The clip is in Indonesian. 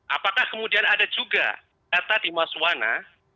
apakah kemudian ada juga data di mas wana